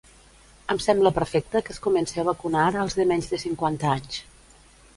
Em sembla perfecte que es comence a vacunar als de menys de cinquanta anys.